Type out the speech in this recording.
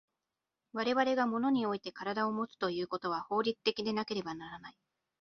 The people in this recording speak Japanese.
我々が物において身体をもつということは法律的でなければならない。